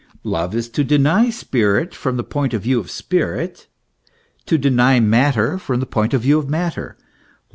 Love is to deny spirit from the point of view of spirit, to deny matter from the point of view of matter.